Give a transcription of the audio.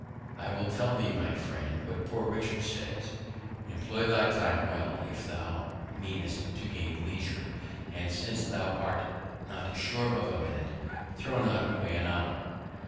I will tell thee, my friend, what Poor Richard says, Employ thy Time well, if thou meanest to gain Leisure; and, since thou art not sure of a Minute, throw not away an Hour.